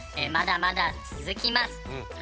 まだまだ続きます！